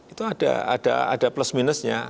itu ada plus minusnya